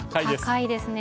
高いですね。